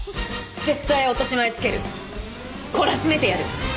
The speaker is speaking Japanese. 絶対落とし前つける！懲らしめてやる！